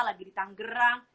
lagi di tanggerang